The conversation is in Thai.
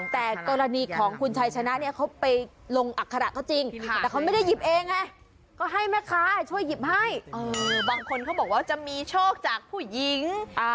แต่กรณีของคุณชายชนะเขาไปลงอักษระก็จริง